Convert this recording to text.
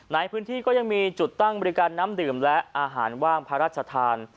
ในพื้นที่ก็ยังมีจุดตั้งบริการน้ำดื่มและอาหารว่างพระราชทาน